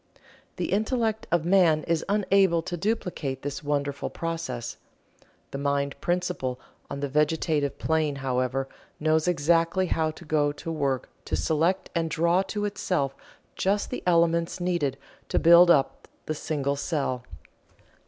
The intellect of man is unable to duplicate this wonderful process. The Mind Principle on the Vegetative Plane, however, knows exactly how to go to work to select and draw to itself just the elements needed to build up the single cell.